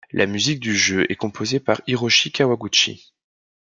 La musique du jeu est composée par Hiroshi Kawaguchi.